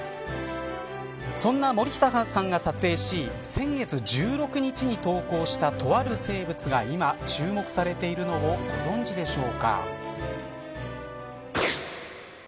そんな森久さんが撮影し先月１６日に投稿したとある生物が今、注目されているのをご存じでしょうか。